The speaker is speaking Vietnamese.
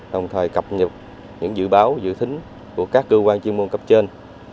đồng thời cập nhật những dự báo dự thính của các cơ quan chuyên môn cấp trên